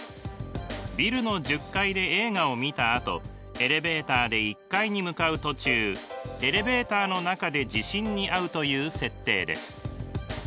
ビルの１０階で映画を見たあとエレベーターで１階に向かう途中エレベーターの中で地震にあうという設定です。